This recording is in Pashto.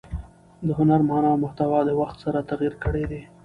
د هنر مانا او محتوا د وخت سره تغیر کړی دئ.